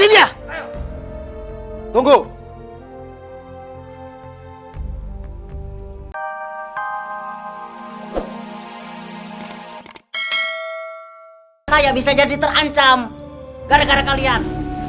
hanya ada satu hukuman buat kalian